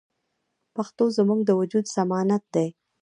پښتو زموږ د وجود ضمانت دی.